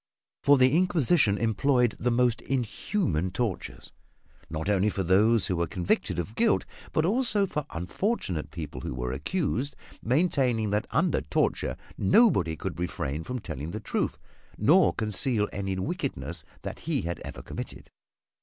For the Inquisition employed the most inhuman tortures, not only for those who were convicted of guilt, but also for unfortunate people who were accused, maintaining that under torture nobody could refrain from telling the truth, nor conceal any wickedness that he had ever committed.